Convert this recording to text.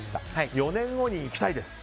４年後に行きたいです。